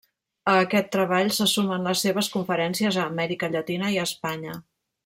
A aquest treball se sumen les seves conferències a Amèrica Llatina i a Espanya.